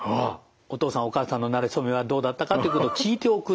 お父さんお母さんのなれ初めはどうだったかということを聞いておくと。